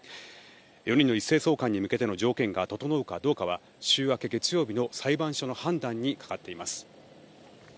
４人の一斉送還に向けての条件が整うかどうかは週明け月曜日の裁判所の判断にかかっています。